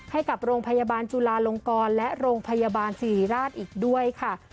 ให้กับโรงพยาบาลจุลาลงกรและโรงพยาบาลสิริราชอีกด้วยค่ะ